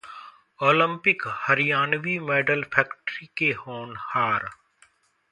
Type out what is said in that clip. Olympic: Haryanvi medal factory के होनहार